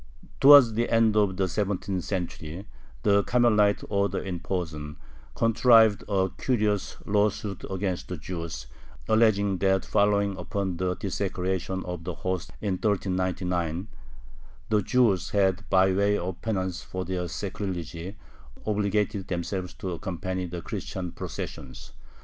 Towards the end of the seventeenth century the Carmelite order in Posen contrived a curious lawsuit against the Jews, alleging that following upon the desecration of the hosts in 1399 the Jews had, by way of penance for their sacrilege, obligated themselves to accompany the Christian processions.